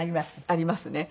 ありますね。